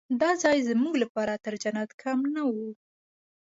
دا ځای زموږ لپاره تر جنت کم نه و.